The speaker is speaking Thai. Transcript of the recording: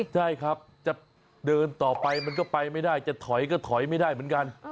ใช่ครับจะเดินต่อไปมันก็ไปไม่ได้จะถอยก็ถอยไม่ได้เหมือนกัน